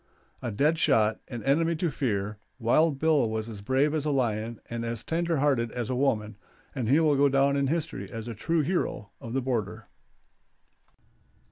A dead shot, an enemy to fear, Wild Bill was as brave as a lion and as tender hearted as a woman, and he will go down in history as a true hero of the border.